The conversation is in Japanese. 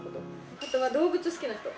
あとは動物好きな人。